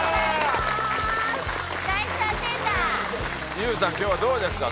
ＹＯＵさん今日はどうですか？